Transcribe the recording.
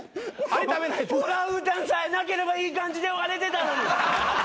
オランウータンさえなければいい感じで終われてたのに。